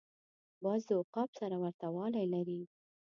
باز د عقاب سره ورته والی لري